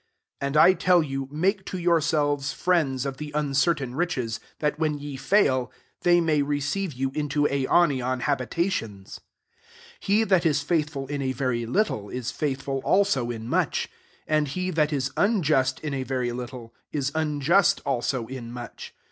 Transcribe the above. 9 And I tell you^ Make to your* selves friends of the uncertain riches ; that, when ye £ail, they may receive you into aionian habitations. 10 <'He that is faithful in a very little, is faithful also in much ; and he that is unjust ia a very little, is uiuust also in much.